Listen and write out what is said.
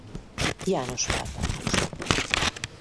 János pápához.